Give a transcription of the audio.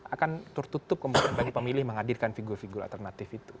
akan tertutup kemudian bagi pemilih menghadirkan figur figur alternatif itu